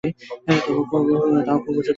তাও খুব উঁচুদরের নয়।